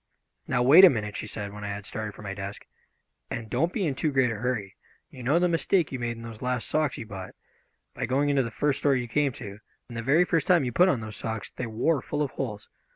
"Now, wait a minute," she said, when I had started for my desk, "and don't be in too great a hurry. You know the mistake you made in those last socks you bought, by going into the first store you came to, and the very first time you put on those socks they wore full of holes.